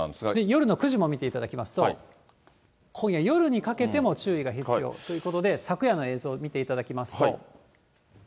夜の９時も見ていただきますと、今夜、夜にかけても注意が必要ということで、昨夜の映像を見ていただきますと。